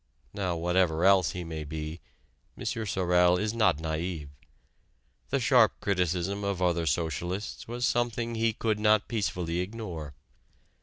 Now whatever else he may be, M. Sorel is not naïve: the sharp criticism of other socialists was something he could not peacefully ignore.